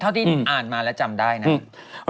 เข่าที่อ่านได้ตัวที่อ่านมาแล้วจำได้นะ